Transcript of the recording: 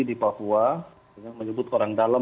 di papua dengan menyebut orang dalam